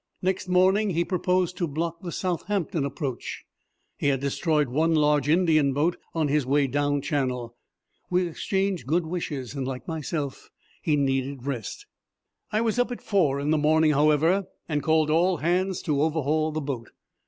Next morning he proposed to block the Southampton approach. He had destroyed one large Indian boat on his way down Channel. We exchanged good wishes. Like myself, he needed rest. I was up at four in the morning, however, and called all hands to overhaul the boat.